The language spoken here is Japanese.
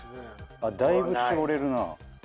だいぶ絞れるな。